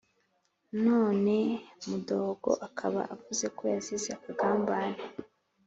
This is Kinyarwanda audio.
none mudogo akaba avuzeko yazize akagambane